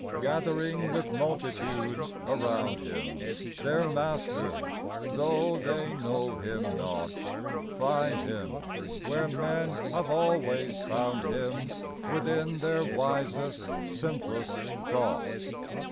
Gathering with multitudes around Him, — Their Master, though they know Him not, — Find Him where men have always found Him, Within their wisest, simplest thought